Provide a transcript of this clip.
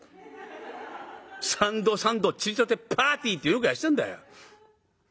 三度三度ちりとてパーティーってよくやってたんだよ。